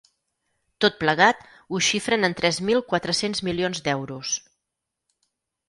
Tot plegat, ho xifren en tres mil quatre-cents milions d’euros.